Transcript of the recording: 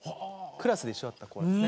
クラスで一緒だった子なんですね。